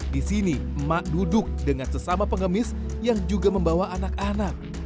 di sini emak duduk dengan sesama pengemis yang juga membawa anak anak